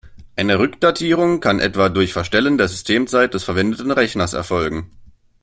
Eine Rückdatierung kann etwa durch Verstellen der Systemzeit des verwendeten Rechners erfolgen.